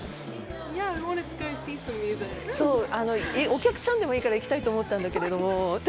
お客さんでもいいから行きたいと思ったんだけども。